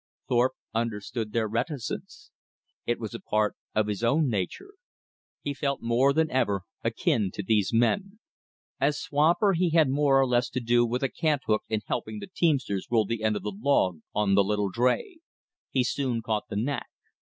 Thorpe understood their reticence. It was a part of his own nature. He felt more than ever akin to these men. As swamper he had more or less to do with a cant hook in helping the teamsters roll the end of the log on the little "dray." He soon caught the knack.